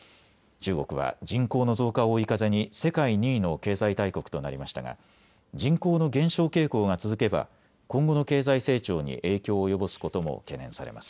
中国は人口の増加を追い風に世界２位の経済大国となりましたが人口の減少傾向が続けば今後の経済成長に影響を及ぼすことも懸念されます。